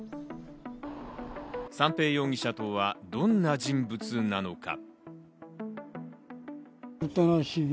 三瓶容疑者とは、どんな人物なのか？